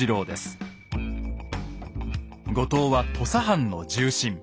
後藤は土佐藩の重臣。